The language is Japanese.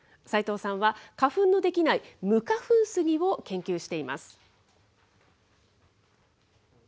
斎藤さんは、花粉のできない無花粉スギを研究しています。